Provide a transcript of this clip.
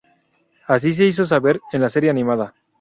Así se hizo saber en la serie animada.